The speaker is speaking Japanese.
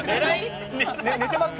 寝てますか？